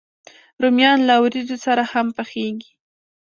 رومیان له وریجو سره هم پخېږي